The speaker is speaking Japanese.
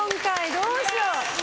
どうしよう。